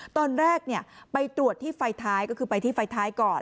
ตอนแรกไปตรวจที่ไฟท้ายก็คือไปที่ไฟท้ายก่อน